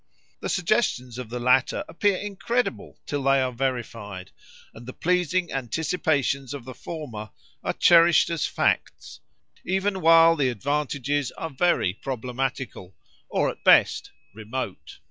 The suggestions of the latter appear incredible till they are verified; and the pleasing anticipations of the former are cherished as facts, even while the advantages are very problematical, or at best, remote.